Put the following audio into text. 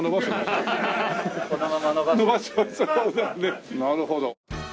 なるほど。